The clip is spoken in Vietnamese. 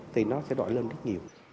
thì nó sẽ đổi lên rất nhiều